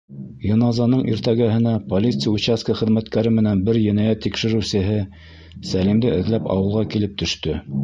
Йыназаның иртәгәһенә полиция участка хеҙмәткәре менән бер енәйәт тикшереүсеһе Сәлимде эҙләп ауылға килеп төштө.